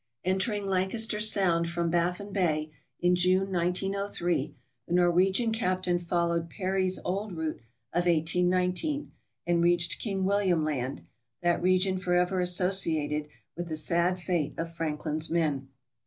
Entering Lancaster Sound from Baffin Bay, in June, 1903, the Norwegian captain followed Parry's old route of 181 9, and reached King William Land, that region forever associated with the sad fate of Franklin's men.